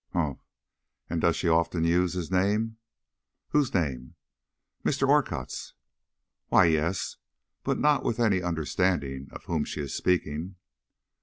"Humph! And does she often use his name?" "Whose name?" "Mr. Orcutt's." "Why, yes; but not with any understanding of whom she is speaking."